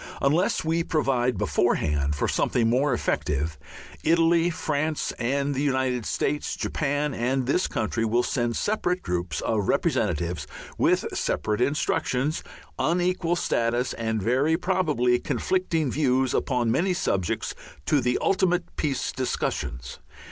Unless we provide beforehand for something more effective, Italy, France, the United States, Japan, and this country will send separate groups of representatives, with separate instructions, unequal status, and very probably conflicting views upon many subjects, to the ultimate peace discussions.